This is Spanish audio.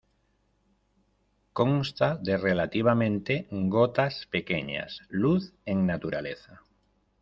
Consta de relativamente gotas pequeñas, luz en naturaleza.